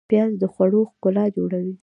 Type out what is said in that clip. پیاز د خوړو ښکلا جوړوي